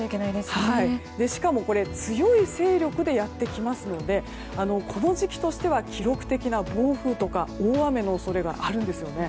しかもこれ強い勢力でやってきますのでこの時期としては記録的な暴風雨とか大雨の恐れがあるんですね。